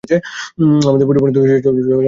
আমাদের পরিবারের মধ্যে সব চেয়ে হতভাগ্য আমার দাদা।